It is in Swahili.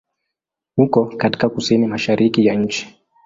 Uko katika kusini-mashariki ya nchi.